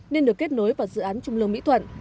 nên được kết nối vào dự án trung lương mỹ thuận